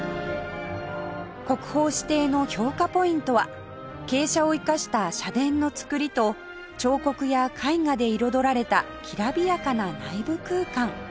国宝指定の評価ポイントは傾斜を生かした社殿の造りと彫刻や絵画で彩られたきらびやかな内部空間